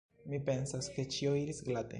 Mi pensas, ke ĉio iris glate.